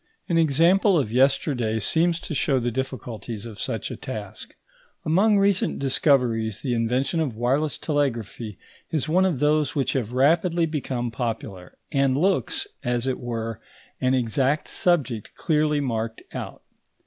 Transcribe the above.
An example of yesterday seems to show the difficulties of such a task. Among recent discoveries the invention of wireless telegraphy is one of those which have rapidly become popular, and looks, as it were, an exact subject clearly marked out.